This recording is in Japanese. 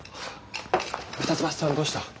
二ツ橋さんどうした？